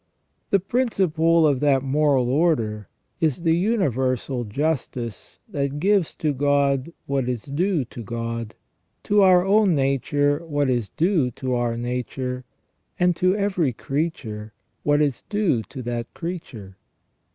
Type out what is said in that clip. The principle of that moral order is the universal justice that gives to God what is due to God, to our own nature what is due to our nature, and to every creature what is due to that creature.